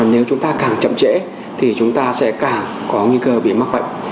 nếu chúng ta càng chậm trễ thì chúng ta sẽ càng có nguy cơ bị mắc bệnh